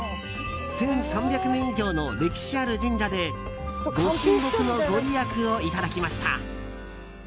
１３００年以上の歴史ある神社で御神木のご利益を頂きました。